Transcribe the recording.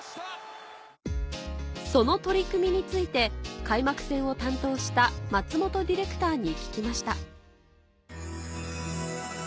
その取り組みについて開幕戦を担当した松本ディレクターに聞きました